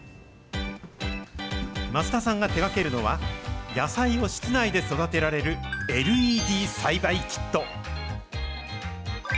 枡田さんが手がけるのは、野菜を室内で育てられる、ＬＥＤ栽培キット。